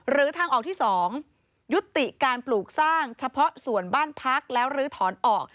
ทางออกที่๒ยุติการปลูกสร้างเฉพาะส่วนบ้านพักแล้วลื้อถอนออก